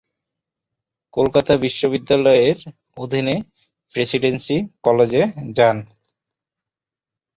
তিনি কলকাতা বিশ্ববিদ্যালয়ের অধীনে প্রেসিডেন্সি কলেজে যান।